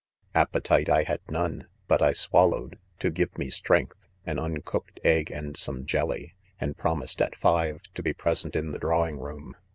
Ap» petite L had none, but I swallowed, to give me strength^ an uncooked egg and some jelly, and promised at five, to be present in the drawing loom.